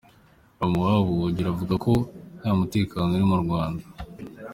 Bamuha ubuhungiro avuga ko ntamutekano uri mu Rwanda.